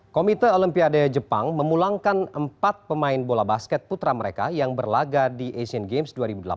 komite olimpiade jepang memulangkan empat pemain bola basket putra mereka yang berlaga di asian games dua ribu delapan belas